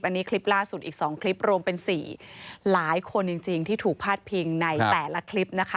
อันนี้คลิปล่าสุดอีก๒คลิปรวมเป็น๔หลายคนจริงที่ถูกพาดพิงในแต่ละคลิปนะคะ